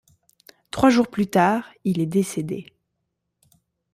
Trois jours plus tard, il est décédé.